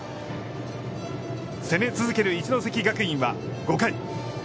攻め続ける一関学院は、５回。